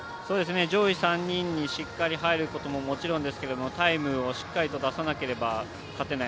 上位３人にしっかり入ることも、もちろんですけどタイムをしっかりと出さなければ勝てない。